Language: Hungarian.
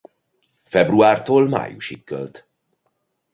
Februártól májusig költ.